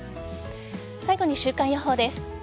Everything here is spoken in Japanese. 最後に週間予報です。